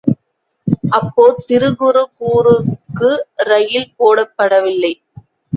அப்போது திருகுருகூருக்கு ரயில் போடப்படவில்லை.